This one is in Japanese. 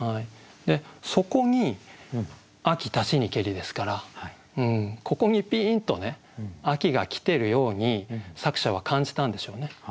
そこに「秋立ちにけり」ですからここにピーンと秋が来てるように作者は感じたんでしょうね。